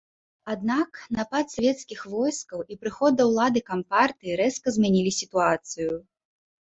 Аднак, напад савецкіх войскаў і прыход да улады кампартыі рэзка змянілі сітуацыю.